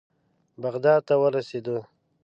بغداد ته ورسېدو.